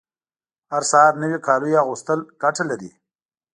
هر سهار نوي کالیو اغوستل ګټه لري